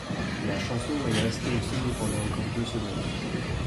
La chanson est restée au sommet pendant encore deux semaines.